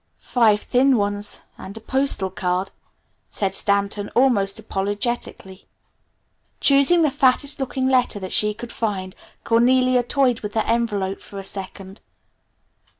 "Five thin ones, and a postal card," said Stanton almost apologetically. Choosing the fattest looking letter that she could find, Cornelia toyed with the envelope for a second.